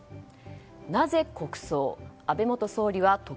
なぜ国葬？